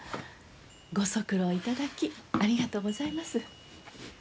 ご足労いただきありがとうございます。